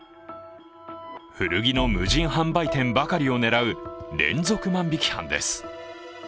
古着の無人販売店ばかりを狙う連続万引き犯です。